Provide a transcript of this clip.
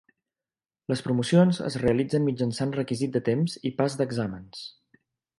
Les promocions es realitzen mitjançant requisit de temps i pas d'exàmens.